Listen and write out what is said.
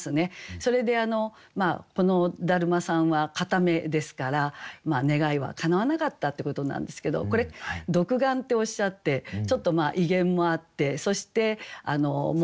それでこの達磨さんは片目ですから願いはかなわなかったってことなんですけどこれ「独眼」っておっしゃってちょっと威厳もあってそしてもう新しい年迎えてるから